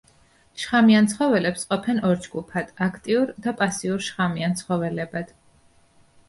შხამიან ცხოველებს ყოფენ ორ ჯგუფად: აქტიურ და პასიურ შხამიან ცხოველებად.